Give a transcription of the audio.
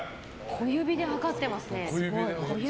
小指で測ってますね。